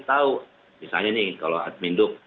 tahu misalnya nih kalau admin duk